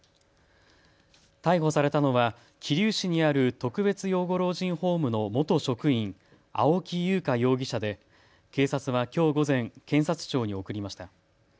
逮捕されたのは桐生市にある特別養護老人ホームの元職員、青木優香容疑者で警察はきょう午前、検察庁に送りました。